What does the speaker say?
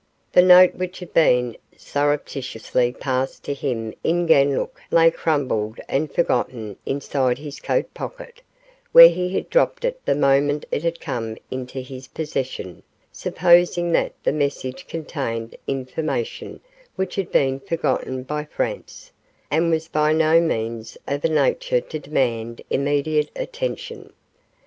The note which had been surreptitiously passed to him in Ganlook lay crumpled and forgotten inside his coat pocket, where he had dropped it the moment it had come into his possession, supposing that the message contained information which had been forgotten by Franz, and was by no means of a nature to demand immediate attention.